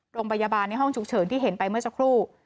โรงพยาบาลในห้องฉุกเฉินที่เห็นไปเมื่อสักครู่